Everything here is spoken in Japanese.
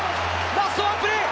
ラストワンプレー！